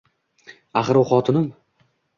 Axir, u xotinim